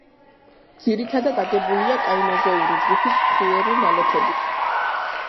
ძირითადად აგებულია კაინოზოური ჯგუფის ფხვიერი ნალექებით.